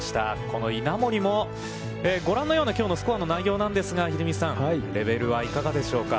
この稲森も、ご覧のようなきょうのスコアの内容なんですが、秀道さん、レベルはいかがでしょうか。